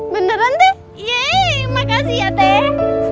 beneran teh yeay makasih ya teh